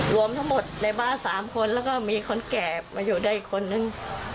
รวมทั้งหมดในบ้าน๓คนแล้วก็มีคนแก่มาอยู่ได้อีกคนนึง